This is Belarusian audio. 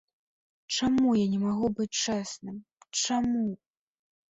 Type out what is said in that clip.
Чаму я не магу быць чэсным, чаму?